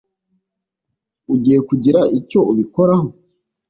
Ugiye kugira icyo ubikoraho?